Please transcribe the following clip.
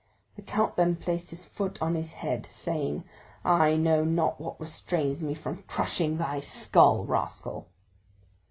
The count then placed his foot on his head, saying, "I know not what restrains me from crushing thy skull, rascal."